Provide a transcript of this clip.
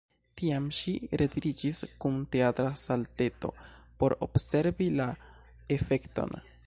Tiam ŝi retiriĝis kun teatra salteto, por observi la efekton.